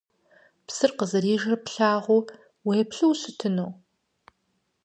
Псыр къызэрыпыжыр плъагъуу, уеплъу ущытыну?